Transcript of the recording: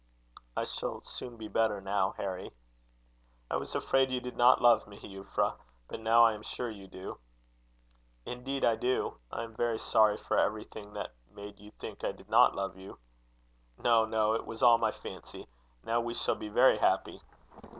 "I shall soon be better now, Harry." "I was afraid you did not love me, Euphra; but now I am sure you do." "Indeed I do. I am very sorry for everything that made you think I did not love you." "No, no. It was all my fancy. Now we shall be very happy."